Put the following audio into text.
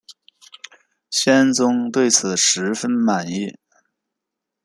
宣宗对此十分满意。